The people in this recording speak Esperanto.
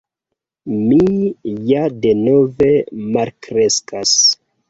“Mi ja denove malkreskas.”